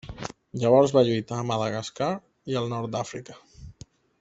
Llavors va lluitar a Madagascar i al nord d'Àfrica.